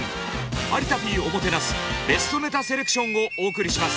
「有田Ｐおもてなすベストネタセレクション」をお送りします。